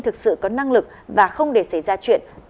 thực sự có năng lực và không để xảy ra chuyện